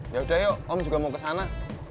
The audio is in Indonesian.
yaudah yuk om juga mau ke sana